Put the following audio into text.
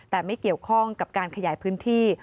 แต่ไม่เกี่ยวข้องกับการขยายพื้นที่